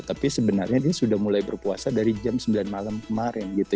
tapi sebenarnya ini sudah mulai berpuasa dari jam sembilan malam kemarin gitu